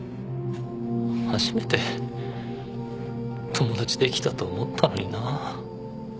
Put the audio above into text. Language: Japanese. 初めて友達できたと思ったのにな。